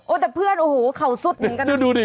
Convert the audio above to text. โอ๊ยแต่เพื่อนเขาสุดมันได้